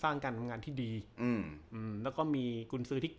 ในอดีต